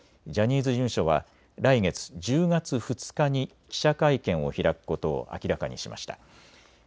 ジャニーズ事務所は来月、１０月２日に記者会見を開くことを明らかにしました。